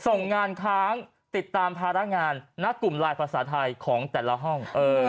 ส่งงานค้างติดตามภาระงานณกลุ่มลายภาษาไทยของแต่ละห้อง